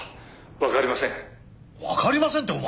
わかりませんってお前。